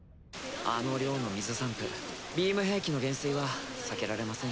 あの量の水散布ビーム兵器の減衰は避けられませんね。